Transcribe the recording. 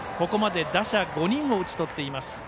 ここまで打者５人を打ち取っています。